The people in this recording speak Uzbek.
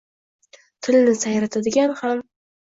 Tilni sayratadigan ham